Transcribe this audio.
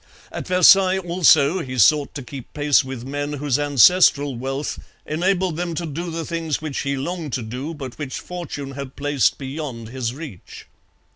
At Versailles, also, he sought to keep pace with men whose ancestral wealth enabled them to do the things which he longed to do, but which fortune had placed beyond his reach.